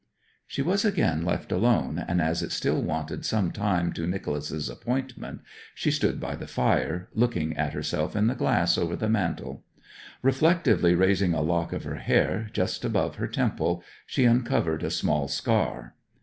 She was again left alone, and, as it still wanted some time to Nicholas's appointment, she stood by the fire, looking at herself in the glass over the mantel. Reflectively raising a lock of her hair just above her temple she uncovered a small scar.